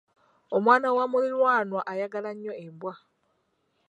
Omwana wa muliraanwa ayagala nnyo embwa.